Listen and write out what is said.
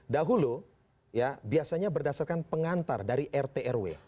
dahulu ya biasanya berdasarkan pengantar dari rt rw